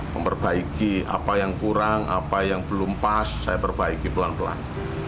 memperbaiki apa yang kurang apa yang belum pas saya perbaiki pelan pelan